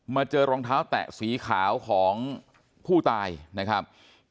เจอรองเท้าแตะสีขาวของผู้ตายนะครับ